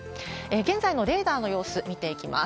現在のレーダーの様子見ていきます。